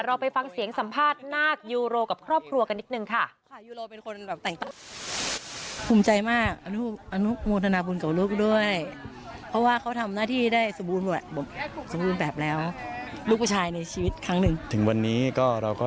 เราไปฟังเสียงสัมภาษณ์นาคยูโรกับครอบครัวกันนิดนึงค่ะ